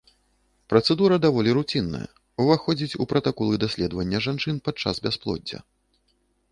Працэдура даволі руцінная, уваходзіць у пратаколы даследавання жанчын падчас бясплоддзя.